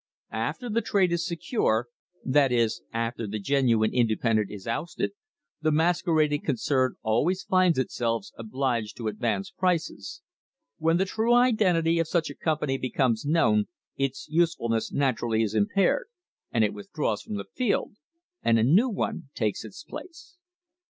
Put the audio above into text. After the trade is secure, that is, after the genuine independent is ousted, the masquerading concern always finds itself obliged to ad vance prices. When the true identity of such a company becomes known its usefulness naturally is impaired, and it withdraws from the field and a new one takes its place.